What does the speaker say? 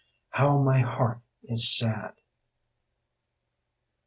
How my heart is sad.